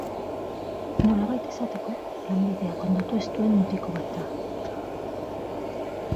Nolabait esateko, lanbideak hondatu ez duen mutiko bat da.